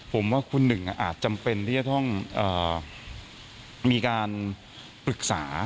ผมว่าคุณหนึ่งอาจจำเป็นที่จะต้องมีการปรึกษา